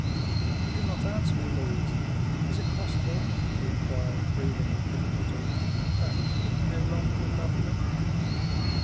You do not answer me, Louise. Is it possible," he inquired, breathing with difficulty, "that you no longer love me?"